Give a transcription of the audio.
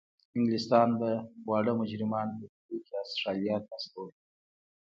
انګلستان به واړه مجرمان په بیړیو کې استرالیا ته استول.